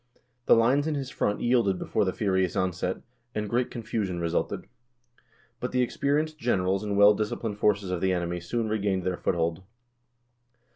The lines in his front yielded before the furious onset, and great confusion resulted. But the experienced generals and well dis ciplined forces of the enemy soon regained their foothold.